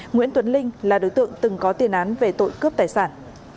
nguyễn tuấn linh là đối tượng từng có tiền án về tội cướp tài sản